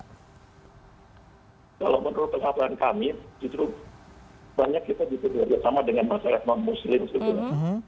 kalau menurut pengabalan kami justru banyak kita juga bekerja sama dengan masyarakat muslim